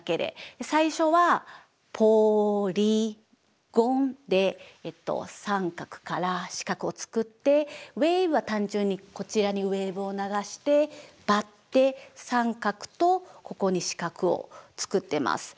最初は「ポリゴン」で三角から四角を作って「ウェイヴ」は単純にこちらにウエーブを流してパッて三角とここに四角を作ってます。